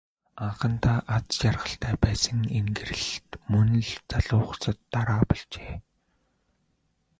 Анхандаа аз жаргалтай байсан энэ гэрлэлт мөн л залуу хосод дараа болжээ.